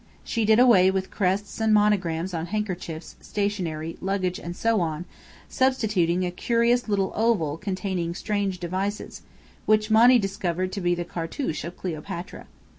She did away with crests and monograms on handkerchiefs, stationery, luggage and so on, substituting a curious little oval containing strange devices, which Monny discovered to be the "cartouche" of Cleopatra.